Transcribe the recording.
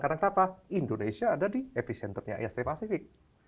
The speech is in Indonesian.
karena kenapa indonesia ada di epicenternya asia pasifik